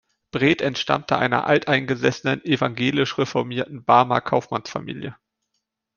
Bredt entstammte einer alteingesessenen, evangelisch-reformierten Barmer Kaufmannsfamilie.